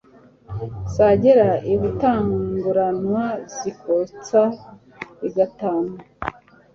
Zagera i Butanguranwa zikotsa i Gatamu.